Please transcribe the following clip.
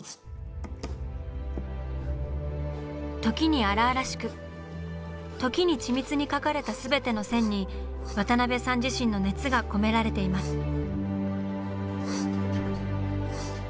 時に荒々しく時に緻密に描かれた全ての線に渡辺さん自身の熱が込められています。